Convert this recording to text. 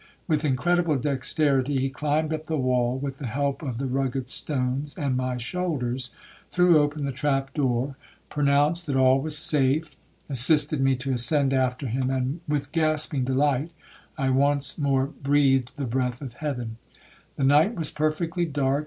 With incredible dexterity he climbed up the wall, with the help of the rugged stones and my shoulders,—threw open the trap door, pronounced that all was safe, assisted me to ascend after him,—and, with gasping delight, I once more breathed the breath of heaven. The night was perfectly dark.